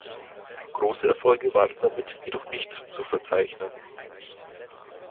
Große Erfolge waren damit jedoch nicht zu verzeichnen.